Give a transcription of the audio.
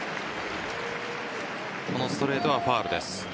このストレートはファウルです。